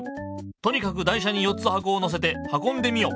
とにかく台車に４つはこをのせてはこんでみよう。